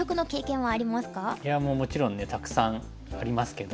いやもちろんたくさんありますけども。